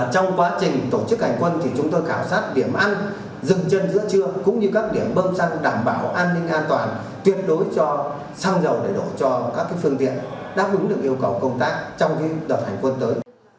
trong quá trình tổ chức hành quân chúng tôi khảo sát điểm ăn dừng chân giữa trưa cũng như các điểm bơm xăng đảm bảo an ninh an toàn tuyệt đối cho xăng dầu để đổ cho các phương tiện đáp ứng được yêu cầu công tác trong đợt hành quân tới